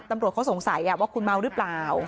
ตำรวจเขาสงสัยว่าคุณเมาหรือเปล่า